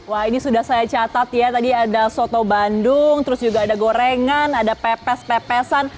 wah ini sudah saya catat ya tadi ada soto bandung terus juga ada gorengan ada pepes pepesan